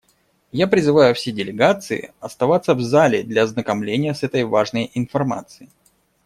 Я призываю все делегации оставаться в зале для ознакомления с этой важной информацией.